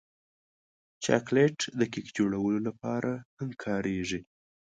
چاکلېټ د کیک جوړولو لپاره هم کارېږي.